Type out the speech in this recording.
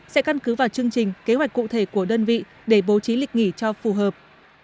sẽ căn cứ vào chương trình kế hoạch cụ thể của đơn vị để bố trí lịch nghỉ cho phù hợp